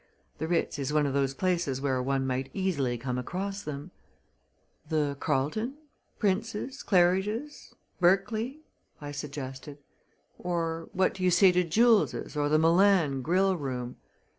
The Ritz is one of those places where one might easily come across them." "The Carlton? Prince's? Claridge's? Berkeley?" I suggested. "Or what do you say to Jules' or the Milan grill room?"